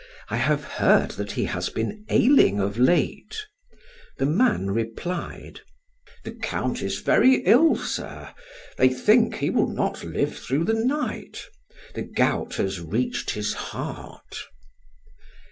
I have heard that he has been ailing of late," the man replied; "The Count is very ill, sir; they think he will not live through the night; the gout has reached his heart."